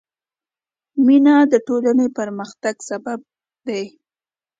مینه د ټولنې پرمختګ سبب دی.